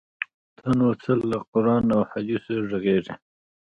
ته نو څه له قران او احادیثو ږغیږې؟!